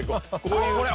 こういう。